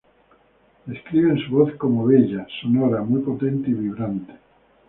Describen su voz como bella, sonora, muy potente y vibrante.